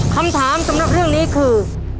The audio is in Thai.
คำถามสำหรับเรื่องนี้คือ